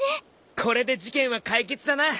これで事件は解決だな。